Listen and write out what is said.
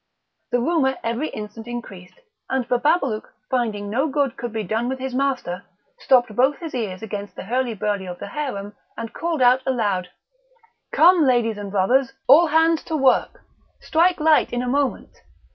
The rumour every instant increased, and Bababalouk, finding no good could be done with his master, stopped both his ears against the hurly burly of the harem, and called out aloud: "Come, ladies and brothers! all hands to work! strike light in a moment!